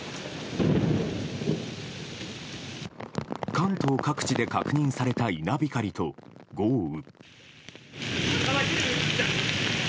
関東各地で確認された稲光と豪雨。